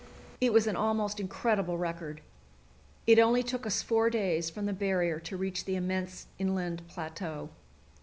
It was an almost incredible record. It only took us four days from the barrier to reach the immense inland plateau.